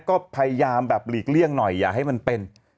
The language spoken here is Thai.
ก็พยายามแบบหลีกเลี่ยงหน่อยอย่าให้มันเป็น